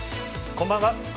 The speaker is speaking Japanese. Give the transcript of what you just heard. こんばんは。